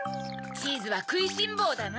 チーズはくいしんぼうだな！